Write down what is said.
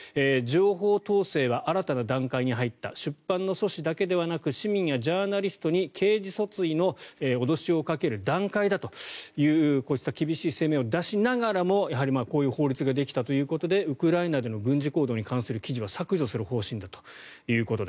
情報統制は新たな段階に入った出版の組織だけじゃなく市民やジャーナリストに刑事訴追の脅しをかける段階だというこうした厳しい声明を出しながらもこういう法律ができたということでウクライナでの軍事行動に関する記事は削除する方針だと。